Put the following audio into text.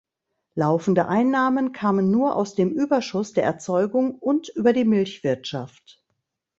Laufende Einnahmen kamen nur aus dem Überschuss der Erzeugung und über die Milchwirtschaft.